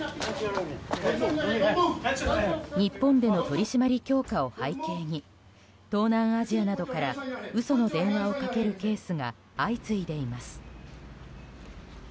日本での取り締まり強化を背景に東南アジアなどから嘘の電話をかけるケースが相次いでいます。